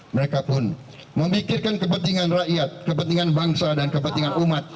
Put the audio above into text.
mereka pun memikirkan kepentingan rakyat kepentingan bangsa dan kepentingan umat